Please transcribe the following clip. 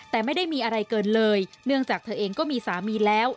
แต่ไม่ได้มีอะไรเกินเลยเนื่องจากเธอเองก็มีสามีแล้ว